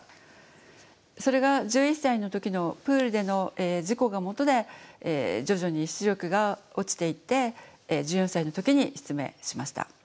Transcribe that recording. それが１１歳の時のプールでの事故がもとで徐々に視力が落ちていって１４歳の時に失明しました。